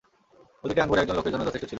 প্রতিটি আঙ্গুর একজন লোকের জন্যে যথেষ্ট ছিল।